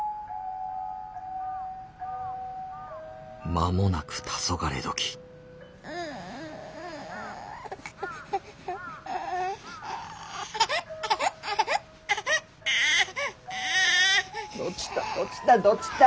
間もなく黄昏どきどちたどちたどちた？